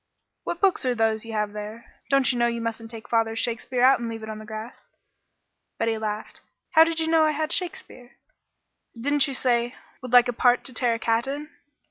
"What books are those you have there? Don't you know you mustn't take father's Shakespeare out and leave it on the grass?" Betty laughed. "How did you know I had Shakespeare?" "Didn't you say you 'Would like a part to tear a cat in'?"